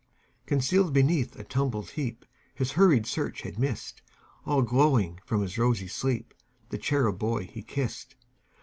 Concealed beneath a tumbled heapHis hurried search had missed, All glowing from his rosy sleep, The cherub boy he kissed.